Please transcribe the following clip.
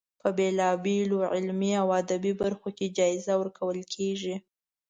په بېلا بېلو علمي او ادبي برخو کې جایزه ورکول کیږي.